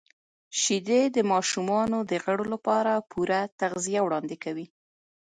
•شیدې د ماشومانو د غړو لپاره پوره تغذیه وړاندې کوي.